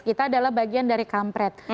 kita adalah bagian dari kampret